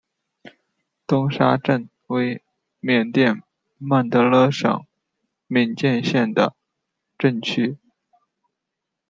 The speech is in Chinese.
东沙镇为缅甸曼德勒省敏建县的镇区。